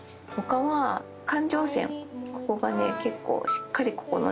ここがね結構しっかりここのね